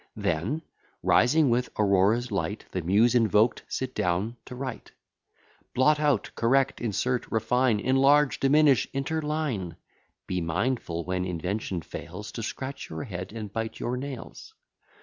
Then, rising with Aurora's light, The Muse invoked, sit down to write; Blot out, correct, insert, refine, Enlarge, diminish, interline; Be mindful, when invention fails, To scratch your head, and bite your nails.